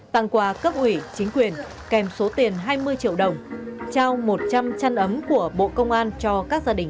tặng quà cấp ủy chính quyền kèm số tiền hai mươi triệu đồng trao một trăm linh chăn ấm của bộ công an cho các gia đình